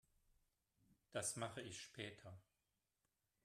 Das mache ich später.